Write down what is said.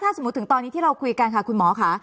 สมมุติถึงตอนนี้ที่เราคุยกันค่ะคุณหมอค่ะ